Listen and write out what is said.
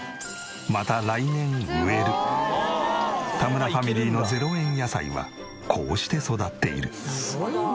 田村ファミリーの０円野菜はこうして育っている。